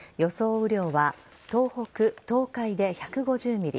雨量は東北・東海で１５０ｍｍ。